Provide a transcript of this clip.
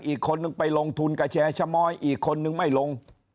อีกคนนึงไปลงทุนกับแชร์ชะม้อยอีกคนนึงไม่ลง